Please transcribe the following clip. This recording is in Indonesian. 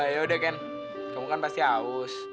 yaudah ken kamu kan pasti haus